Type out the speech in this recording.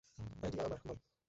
Idea আমার বাল!